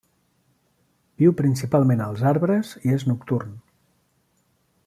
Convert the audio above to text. Viu principalment als arbres i és nocturn.